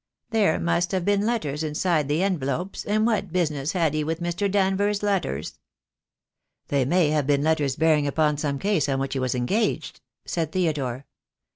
There must have been letters inside the envelopes, and what business had he with Mr. Danvers' letters?" "They may have been letters bearing upon some case on which he was engaged," said Theodore.